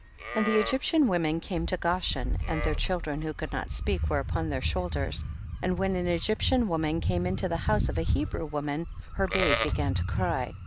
And the Egyptian women came to Goshen and their children who could not speak were upon their shoulders, and when an Egyptian woman came into the house of a Hebrew luoman her babe began to cry.